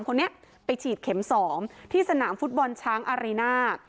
คนนี้ไปฉีดเข็ม๒ที่สนามฟุตบอลช้างอารีน่า